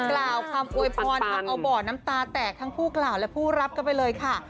กล่าวคำอวยพรทำเอาบ่อน้ำตาแตกทั้งผู้กล่าวและผู้รับกันไปเลยค่ะ